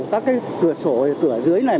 các cái cửa sổ cửa dưới này